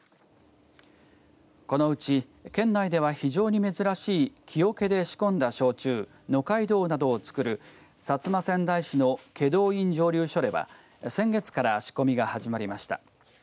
このうち、県内では非常に珍しい木おけで仕込んだ焼酎野海棠などを造る薩摩川内市の祁答院蒸留所では先月から仕込みが始まりました。